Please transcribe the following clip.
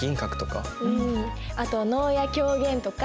あと能や狂言とか。